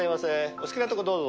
お好きなとこどうぞ。